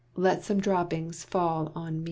Let some droppings fall on me."